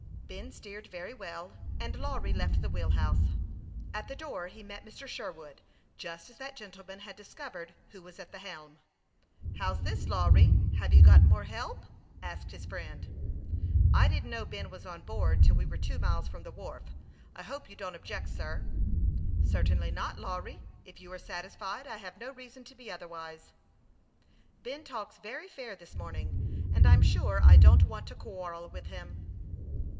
Ben steered very well, and Lawry left the wheel house. At the door he met Mr. Sherwood, just as that gentleman had discovered who was at the helm. " How's this, Lawry ? Have you got more help ?" asked his friend. " I didn't know Ben was on board till we were two miles from the wharf. I hope you don't ob ject, sir." " Certainly not, Lawry. If you are satisfied, I have no reason to be otherwise." " Ben talks very fair this morning ; and I'm sure I don't want to quarrel with him."